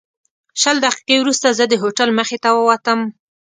شل دقیقې وروسته زه د هوټل مخې ته ووتم.